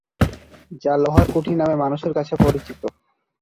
যা লোহার কুঠি নামে মানুষের কাছে পরিচিত।